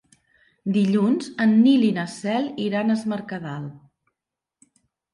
Dilluns en Nil i na Cel iran a Es Mercadal.